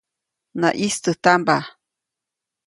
Naʼyĩstäjtampa.